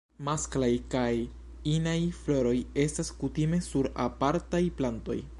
Masklaj kaj inaj floroj estas kutime sur apartaj plantoj.